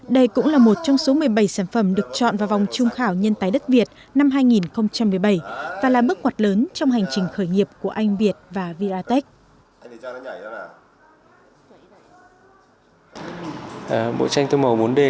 đây cũng là một trong số một mươi bảy sản phẩm được chọn vào vòng trung khảo nhân tái đất việt năm hai nghìn một mươi bảy và là bước ngoặt lớn trong hành trình bốn d